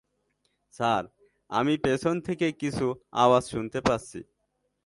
Sir, আমি পেছন থেকে কিছু আওয়াজ শুনতে পাচ্ছি।